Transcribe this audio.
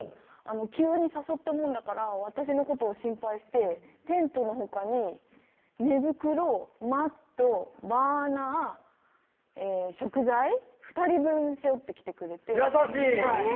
急に誘ったもんだから私のことを心配してテントのほかに寝袋・マット・バーナー・食材２人分背負ってきてくれて優しい！